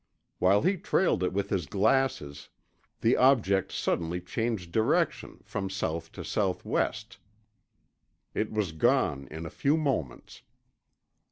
While he trailed it with his glasses, the object suddenly changed direction, from south to southwest. It was gone in a few moments.